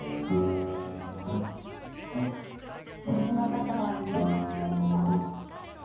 椅子の方はゆっくりと。